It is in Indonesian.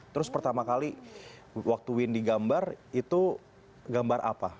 terus pertama kali waktu windy gambar itu gambar apa